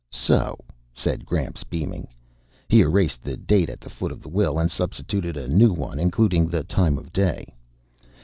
"So!" said Gramps, beaming. He erased the date at the foot of the will and substituted a new one, including the time of day.